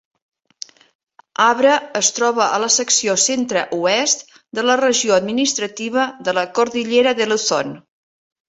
Abra es troba a la secció centre-oest de la Regió Administrativa de la Cordillera de Luzon.